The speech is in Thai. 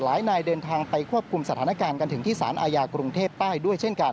นายเดินทางไปควบคุมสถานการณ์กันถึงที่สารอาญากรุงเทพใต้ด้วยเช่นกัน